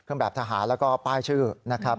แบบทหารแล้วก็ป้ายชื่อนะครับ